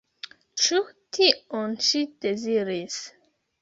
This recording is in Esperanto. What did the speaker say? Ĉu tion ŝi deziris?